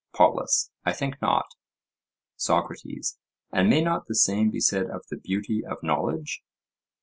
POLUS: I think not. SOCRATES: And may not the same be said of the beauty of knowledge?